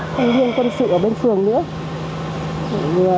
không riêng quân sự ở bên phường nữa